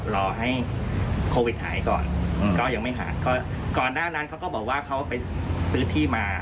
รอให้โควิดหายก่อนก็ยังไม่หายก็ก่อนหน้านั้นเขาก็บอกว่าเขาไปซื้อที่มา